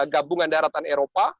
gabungan daratan eropa